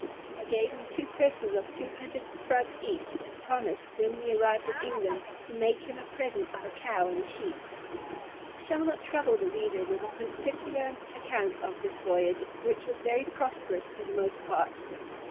I gave him two purses of two hundred sprugs each, and promised, when we arrived in England, to make him a present of a cow and a sheep. I shall not trouble the reader with a particular account of this voyage, which was very prosperous for the most part.